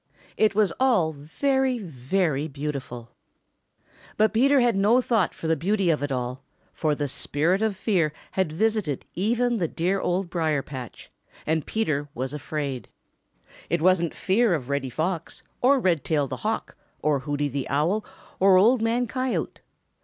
It was all very, very beautiful. But Peter had no thought for the beauty of it all, for the Spirit of Fear had visited even the dear Old Briar patch, and Peter was afraid. It wasn't fear of Reddy Fox, or Redtail the Hawk, or Hooty the Owl, or Old Man Coyote.